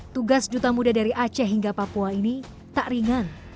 tugas juta muda dari aceh hingga papua ini tak ringan